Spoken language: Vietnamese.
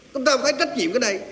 chúng ta phải trách nhiệm cái này